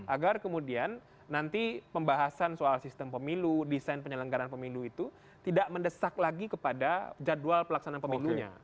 agar kemudian nanti pembahasan soal sistem pemilu desain penyelenggaran pemilu itu tidak mendesak lagi kepada jadwal pelaksanaan pemilunya